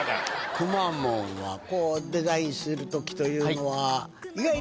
くまモンはデザインする時というのは。